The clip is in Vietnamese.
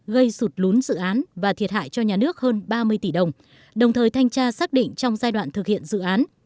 gây sụt lún dự án và thiệt hại cho nhà nước hơn ba mươi tỷ đồng đồng thời thanh tra xác định trong giai đoạn thực hiện dự án